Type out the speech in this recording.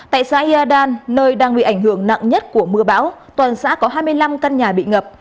tại xã yàn nơi đang bị ảnh hưởng nặng nhất của mưa bão toàn xã có hai mươi năm căn nhà bị ngập